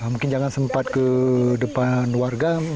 mungkin jangan sempat ke depan warga